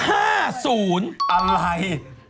อะไร